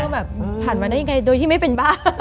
แบบผ่านมาได้ยังไงโดยที่ไม่เป็นบ้า